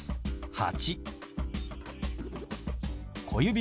「８」。